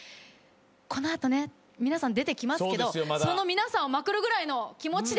この後ね皆さん出てきますけどその皆さんをまくるぐらいの気持ちで。